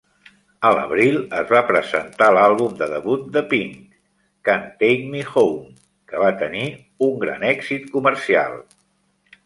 A l'abril, es va presentar l'àlbum de debut de Pink, "Can't Take Me Home", que va tenir un gran èxit comercial.